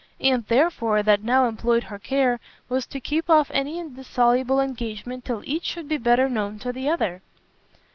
All, therefore, that now employed her care, was to keep off any indissoluble engagement till each should be better known to the other.